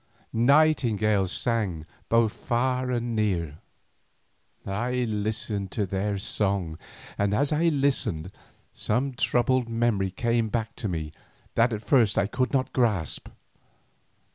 nightingales sang both far and near. I listened to their song, and as I listened, some troubled memory came back to me that at first I could not grasp.